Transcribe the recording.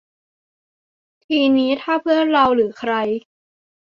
ทีนี้ถ้าเพื่อนเราหรือใคร